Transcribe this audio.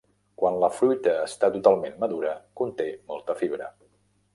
Quan la fruita està totalment madura, conté molta fibra.